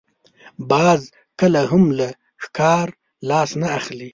باز کله هم له ښکار لاس نه اخلي